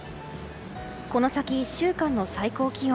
この先１週間の最高気温。